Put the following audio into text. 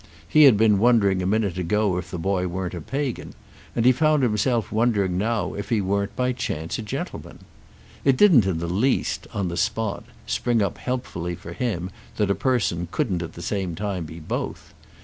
He had been wondering a minute ago if the boy weren't a Pagan, and he found himself wondering now if he weren't by chance a gentleman. It didn't in the least, on the spot, spring up helpfully for him that a person couldn't at the same time be both.